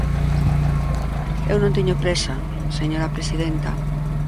Eu non teño présa, señora presidenta.